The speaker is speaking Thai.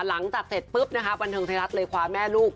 หลังจากเสร็จปุ๊บนะคะบันเทิงไทยรัฐเลยคว้าแม่ลูก